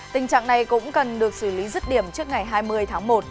tình trạng này cũng cần được xử lý rứt điểm trước ngày hai mươi tháng một